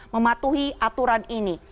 mematuhi aturan ini